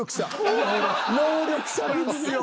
能力者なんですよ。